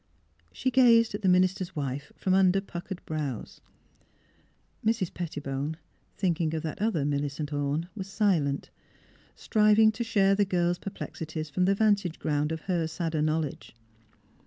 " She gazed at the minister's wife from under puckered brows. Mrs. Pettibone, thinking of that other Millicent Orne, was silent, striving to share the girl's per plexities from the vantage ground of her sadder knowledge.